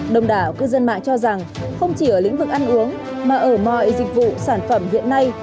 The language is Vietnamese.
đồng đảo cư dân mạng cho rằng không chỉ ở lĩnh vực ăn uống mà ở mọi dịch vụ sản phẩm hiện nay